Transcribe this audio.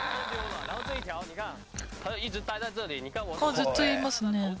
ずっといますね。